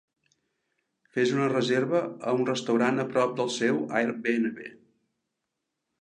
Fes una reserva a un restaurant a prop del seu airbnb